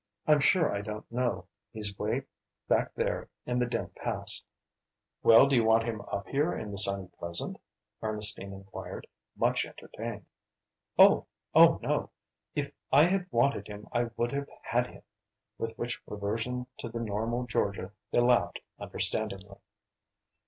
I'm sure I don't know. He's way back there in the dim past." "Well, do you want him up here in the sunny present?" Ernestine inquired, much entertained. "No, oh no if I had wanted him I would have had him," with which reversion to the normal Georgia they laughed understandingly.